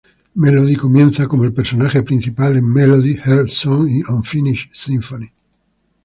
Melody comienza como el personaje principal en "Melody", "Heart Song" y "Unfinished Symphony".